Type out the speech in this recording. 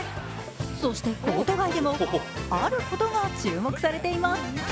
そしてコート外でもあることが注目されています。